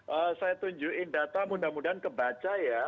oke saya tunjukin data mudah mudahan kebaca ya